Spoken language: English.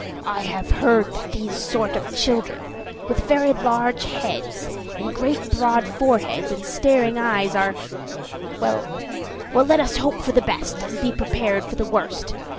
"I have heard that these sort of children with very large heads, and great broad fore heads and staring eyes, are well, well, let us hope for the best and be prepared for the worst.